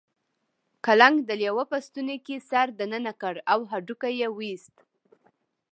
کلنګ د لیوه په ستوني کې سر دننه کړ او هډوکی یې وویست.